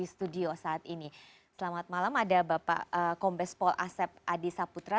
di studio saat ini selamat malam ada bapak kombes pol asep adi saputra